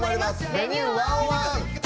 「Ｖｅｎｕｅ１０１」！